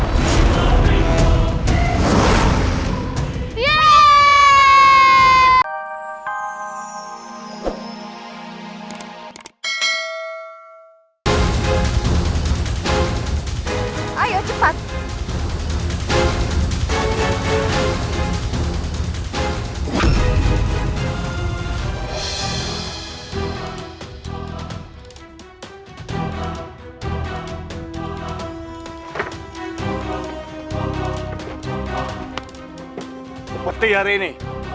kepeti hari ini